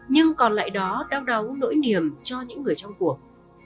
nhưng còn lại đó đau đáu nỗi niềm cho những người trong cuộc